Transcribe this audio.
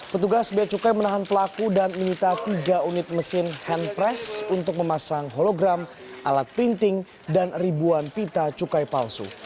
petugas bea cukai menahan pelaku dan menyita tiga unit mesin hand press untuk memasang hologram alat printing dan ribuan pita cukai palsu